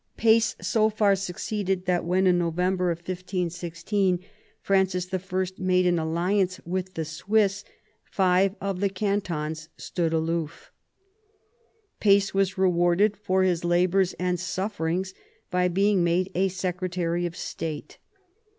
Pace so far succeeded, that when, in November 1616, Francis I. made an alliance with the Swiss, five of the cantons stood aloof. Pace was rewarded for his labours and sufferings by being made a secretary of state.